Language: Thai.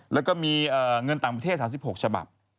แล้วก็มีเงินต่างประเทศ๓๖ฉบับ